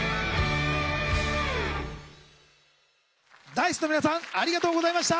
Ｄａ−ｉＣＥの皆さんありがとうございました。